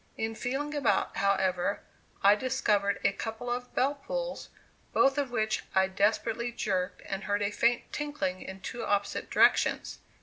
In feeling about, however, I discovered a couple of bell pulls, both of which I desperately jerked and heard a faint tinkling in two opposite directions.